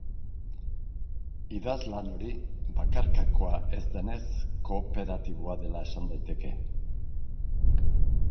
Idazlan hori, bakarkakoa ez denez, kooperatiboa dela esan daiteke.